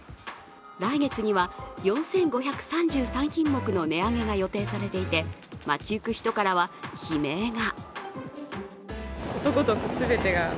来月には４５３３品目の値上げが予定されていて街行く人からは悲鳴が。